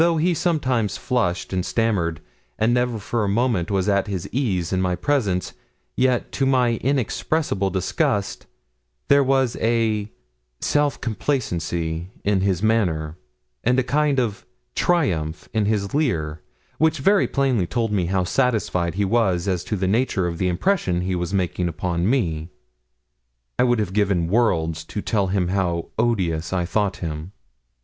Though he sometimes flushed and stammered, and never for a moment was at his ease in my presence, yet, to my inexpressible disgust, there was a self complacency in his manner, and a kind of triumph in his leer, which very plainly told me how satisfied he was as to the nature of the impression he was making upon me. I would have given worlds to tell him how odious I thought him.